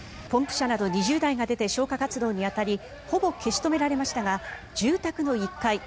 ポンプ車など２０台が出て消火活動に当たりほぼ消し止められましたが住宅の１階